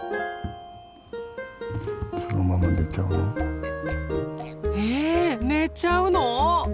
そのまま寝ちゃうの？え寝ちゃうの？